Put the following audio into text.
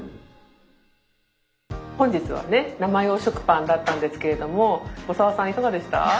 本日は生用食パンだったんですけれども横澤さんいかがでした？